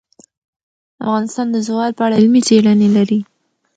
افغانستان د زغال په اړه علمي څېړنې لري.